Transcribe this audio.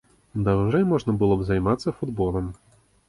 Даўжэй можна было б займацца футболам.